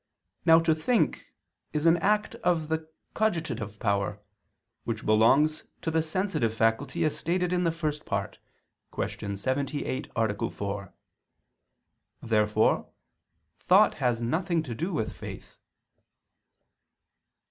Now to think is an act of the cogitative power, which belongs to the sensitive faculty, as stated in the First Part (Q. 78, A. 4). Therefore thought has nothing to do with faith.